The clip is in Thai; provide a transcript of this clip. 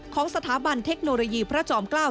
ของสถาบันเทคโนโลยีพระจอมเกล้า